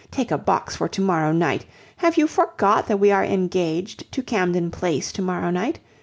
Take a box for to morrow night! Have you forgot that we are engaged to Camden Place to morrow night?